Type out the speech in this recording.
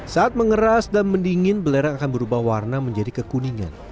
saat mengeras dan mendingin belerang akan berubah warna menjadi kekuningan